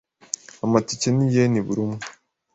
Amatike ni yen buri umwe .